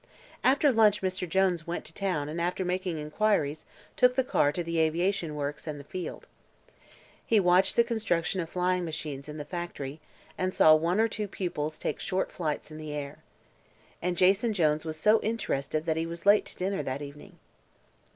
After lunch Mr. Jones went to town and after making inquiries took the car to the aviation works and field. He watched the construction of flying machines in the factory and saw one or two pupils take short flights in the air. And Jason Jones was so interested that he was late to dinner that evening.